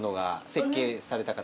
設計された方が。